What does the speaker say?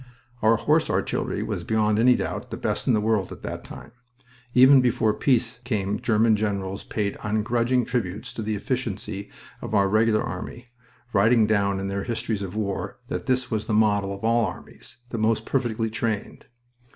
Our horse artillery was beyond any doubt the best in the world at that time. Even before peace came German generals paid ungrudging tributes to the efficiency of our Regular Army, writing down in their histories of war that this was the model of all armies, the most perfectly trained...